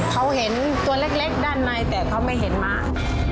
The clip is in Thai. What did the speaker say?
เขาเห็นตัวเล็กด้านในแต่เขาไม่เห็นม้า